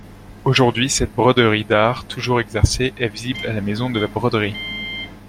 Aujourd'hui, cette broderie d'art, toujours exercée, est visible à la Maison de la broderie.